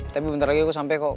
tapi bentar lagi aku sampe kok